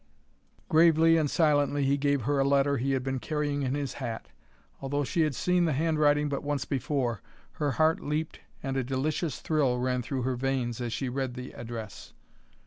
Gravely and silently he gave her a letter he had been carrying in his hat. Although she had seen the handwriting but once before, her heart leaped and a delicious thrill ran through her veins as she read the address.